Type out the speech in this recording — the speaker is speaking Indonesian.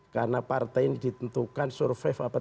karena partai ini ditentukan survive apa tidak